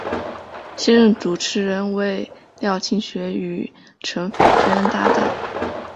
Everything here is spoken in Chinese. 现任主持人为廖庆学与陈斐娟搭档。